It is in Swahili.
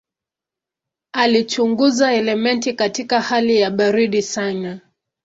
Alichunguza elementi katika hali ya baridi sana.